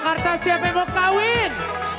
jakarta siapa yang mau kawin